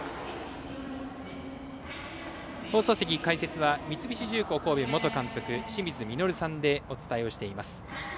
放送席解説は三菱重工神戸元監督の清水稔さんでお伝えをしています。